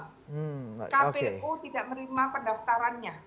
kpu tidak menerima pendaftarannya